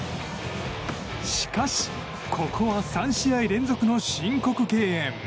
しかし、ここは３試合連続の申告敬遠。